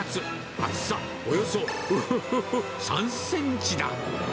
厚さおよそ、うふふふ、３センチだ。